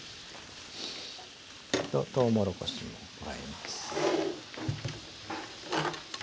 とうもろこしも加えます。